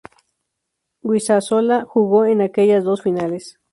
Guisasola jugó en aquellas dos finales.